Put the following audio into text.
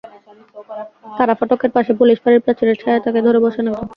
কারা ফটকের পাশে পুলিশ ফাঁড়ির প্রাচীরের ছায়ায় তাঁকে ধরে বসান একজন।